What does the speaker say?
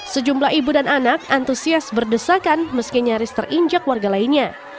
sejumlah ibu dan anak antusias berdesakan meski nyaris terinjak warga lainnya